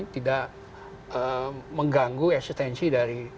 tidak mengganggu eksistensi dari